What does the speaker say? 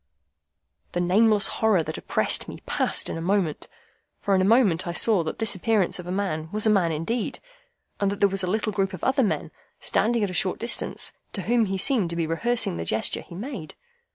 The nameless horror that oppressed me passed in a moment, for in a moment I saw that this appearance of a man was a man indeed, and that there was a little group of other men, standing at a short distance, to whom he seemed to be rehearsing the gesture he made.